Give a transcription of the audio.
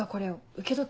受け取っ。